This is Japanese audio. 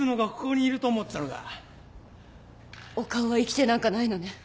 岡尾は生きてなんかないのね。